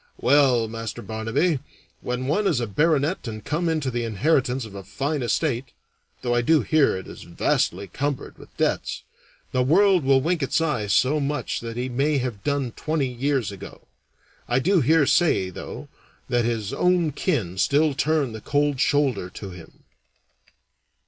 Well, Master Barnaby, when one is a baronet and come into the inheritance of a fine estate (though I do hear it is vastly cumbered with debts), the world will wink its eye to much that he may have done twenty years ago. I do hear say, though, that his own kin still turn the cold shoulder to him."